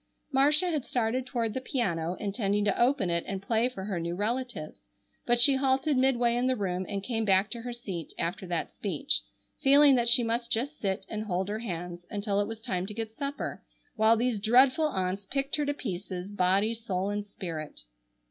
Marcia had started toward the piano intending to open it and play for her new relatives, but she halted midway in the room and came back to her seat after that speech, feeling that she must just sit and hold her hands until it was time to get supper, while these dreadful aunts picked her to pieces, body, soul and spirit.